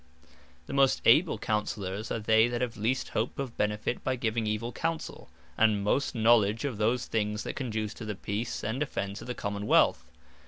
The most able Counsellours, are they that have least hope of benefit by giving evill Counsell, and most knowledge of those things that conduce to the Peace, and Defence of the Common wealth.